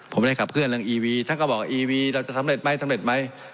ผมได้ขับเคลื่อนเรื่องอีวีท่านก็บอกอีวีเราจะสำเร็จไหมสำเร็จไหม